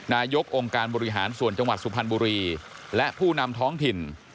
นายกองค์การบริหารส่วนจังหวัดสุพรรณบุรีและผู้นำท้องถิ่น